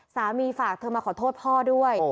ฝากเธอมาขอโทษพ่อด้วย